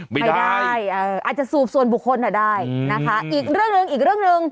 ไม่ได้ไม่ได้เอออาจจะสูบส่วนบุคคลแต่ได้อืมนะคะอีกเรื่องหนึ่งอีกเรื่องหนึ่ง